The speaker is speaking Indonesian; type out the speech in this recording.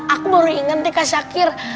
aku baru inget nih kak syakir